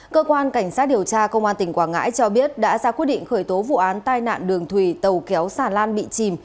cơ quan cảnh sát điều tra công an tỉnh quảng ngãi cho biết đã ra quyết định khởi tố vụ án tai nạn đường thủy tàu kéo sản lan bị chìm